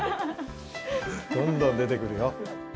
どんどん出てくるよ。